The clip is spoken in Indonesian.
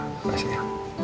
terima kasih ya